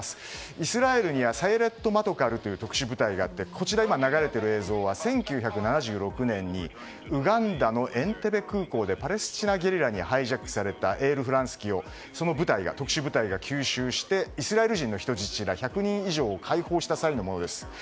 イスラエルにはサイェレット・マトカルという特殊部隊があり１９７６年の映像でウガンダのエンテベ空港でパレスチナゲリラにハイジャックされたエールフランス機をその特殊部隊が急襲してイスラエル人の人質ら１００人以上を解放した際のものです。